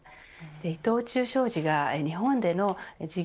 伊藤忠商事が日本での事業